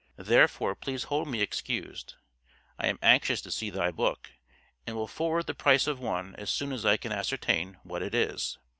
Therefore please hold me excused. I am anxious to see thy book, and will forward the price of one as soon as I can ascertain what it is.